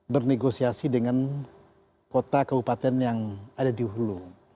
bernegosiasi dengan kota kabupaten yang ada di hulu